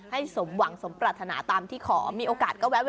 ให้สมหวังสมปรารถนาตามที่ขอ